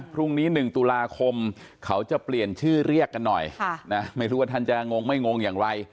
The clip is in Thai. พรุ่งนี้๑ตุลาคมมันจะเปลี่ยนชื่อเรียกกันหน่อย